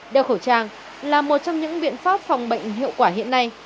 đeo khẩu trang là một trong những biện pháp phòng bệnh hiệu quả hiện nay